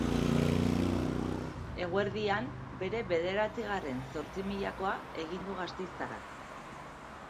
Eguerdian bere bederatzigarren zortzimilakoa egin du gasteiztarrak.